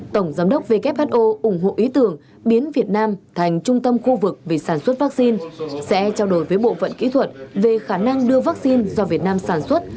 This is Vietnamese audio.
tổng giám đốc who ủng hộ ý tưởng biến việt nam thành trung tâm khu vực về sản xuất vaccine sẽ trao đổi với bộ phận kỹ thuật về khả năng đưa vaccine do việt nam sản xuất